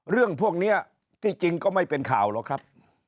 เรื่องพวกนี้ที่จริงก็ไม่เป็นข่าวหรอกครับ